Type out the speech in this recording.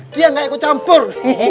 dia enggak ikut campur